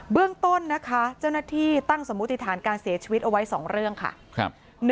เรื่องต้นนะคะเจ้าหน้าที่ตั้งสมมุติฐานการเสียชีวิตเอาไว้๒เรื่องค่ะ